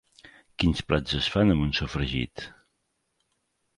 Quins plats es fan amb un sofregit?